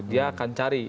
dia akan cari